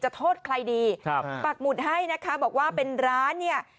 โทษใครดีครับปากหมุดให้นะคะบอกว่าเป็นร้านเนี่ย